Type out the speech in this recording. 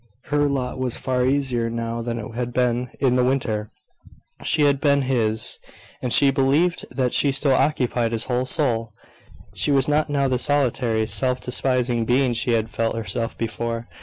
Her lot was far easier now than it had been in the winter. She had been his; and she believed that she still occupied his whole soul. She was not now the solitary, self despising being she had felt herself before.